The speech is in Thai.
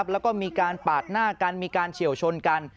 แล้วก็มีการปาดหน้ากันมีการเฉียวชนกัน